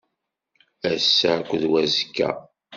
Ass-a akked wazekka.